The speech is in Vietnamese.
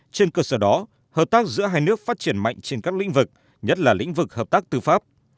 trên cơ sở đó hợp tác giữa hai nước phát triển mạnh trên các lĩnh vực nhất là lĩnh vực hợp tác tư pháp